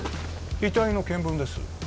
遺体の検分です